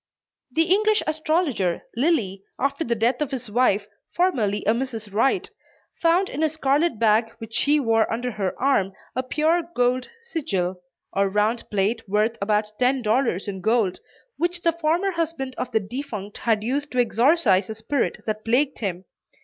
The English astrologer Lilly, after the death of his wife, formerly a Mrs. Wright, found in a scarlet bag which she wore under her arm a pure gold "sigil" or round plate worth about ten dollars in gold, which the former husband of the defunct had used to exorcise a spirit that plagued him.